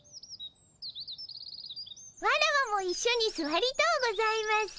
ワラワもいっしょにすわりとうございます。